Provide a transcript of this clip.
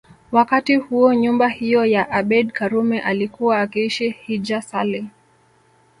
Wakati huo nyumba hiyo ya Abeid Karume alikuwa akiishi Hija Saleh